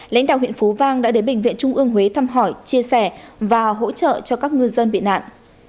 lãnh đạo huyện phú vang đã đến bệnh viện trung ương huế thăm hỏi chia sẻ và hỗ trợ cho các ngư dân bị nạn